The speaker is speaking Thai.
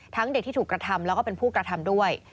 เด็กที่ถูกกระทำแล้วก็เป็นผู้กระทำด้วย